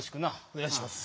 おねがいします。